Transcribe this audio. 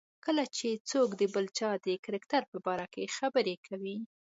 کله چې څوک د بل چا د کرکټر په باره کې خبرې کوي.